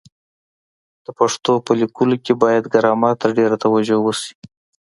د پښتو په لیکلو کي بايد ګرامر ته ډېره توجه وسي.